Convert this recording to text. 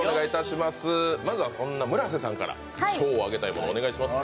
まずは、そんな村瀬さんから賞をあげたいものをお願いします。